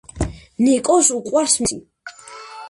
ნიკოს უყვარს მესი